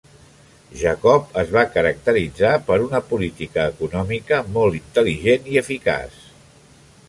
Jacob es va caracteritzar per una política econòmica molt intel·ligent i eficaç.